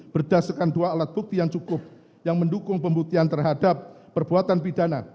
berdasarkan dua alat bukti yang cukup yang mendukung pembuktian terhadap perbuatan pidana